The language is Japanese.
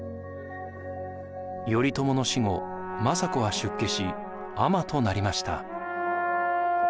頼朝の死後政子は出家し尼となりました。